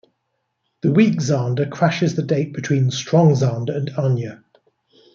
The weak Xander crashes the date between strong Xander and Anya.